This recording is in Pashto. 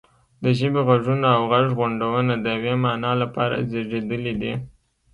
د ژبې غږونه او غږغونډونه د یوې معنا لپاره زیږیدلي دي